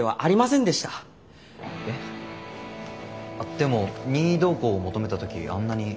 でも任意同行を求めた時あんなに。